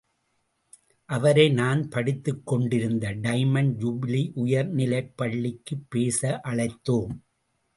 அவரை நான் படித்துக் கொண்டிருந்த டைமண்ட் ஜூபிலி உயர்நிலைப் பள்ளிக்குப் பேச அழைத்தோம்.